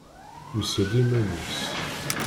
Yusa-d iman-is.